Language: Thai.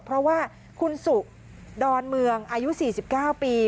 เพราะว่าคุณสุดอนเมืองอายุ๔๙ปี